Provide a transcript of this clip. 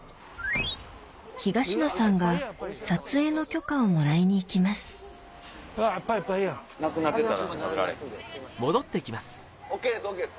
東野さんが撮影の許可をもらいに行きますＯＫですＯＫです。